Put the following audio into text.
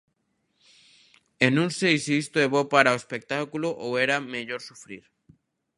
E non sei se isto é bo para o espectáculo ou era mellor sufrir.